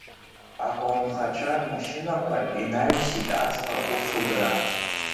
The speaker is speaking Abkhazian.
Аколнхацәа рмашьынақәагь, инаҩсит аҵла, ус убра…